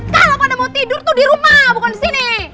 kalau pada mau tidur tuh di rumah bukan di sini